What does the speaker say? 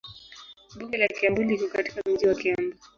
Bunge la Kiambu liko katika mji wa Kiambu.